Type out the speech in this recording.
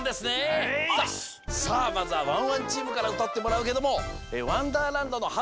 さあまずはワンワンチームからうたってもらうけども「わんだーらんど」のはる